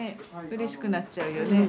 うれしくなっちゃうよね。